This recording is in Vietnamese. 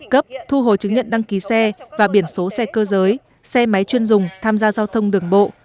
cấp thu hồi chứng nhận đăng ký xe và biển số xe cơ giới xe máy chuyên dùng tham gia giao thông đường bộ